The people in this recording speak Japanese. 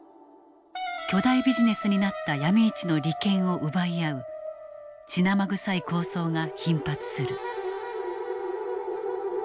巨大ビジネスになったヤミ市の利権を奪い合う血生臭い抗争が頻発する。